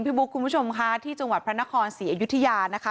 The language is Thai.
บุ๊คคุณผู้ชมค่ะที่จังหวัดพระนครศรีอยุธยานะคะ